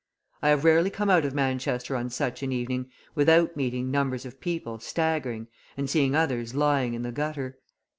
I have rarely come out of Manchester on such an evening without meeting numbers of people staggering and seeing others lying in the gutter.